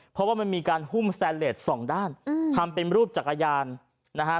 เพราะว่ามันมีการหุ้มสแตนเลสสองด้านอืมทำเป็นรูปจักรยานนะฮะ